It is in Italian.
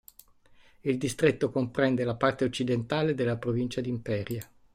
Il distretto comprende la parte occidentale della provincia di Imperia.